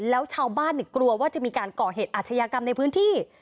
แล้วชาวบ้านกลัวว่าจะมีการก่อเหตุอาชญากรรมในพื้นที่